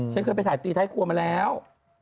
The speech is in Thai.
ฉันเคยไปถ่ายตีท้ายครัวมาแล้ว